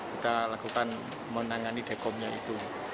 kita lakukan menangani dekomnya itu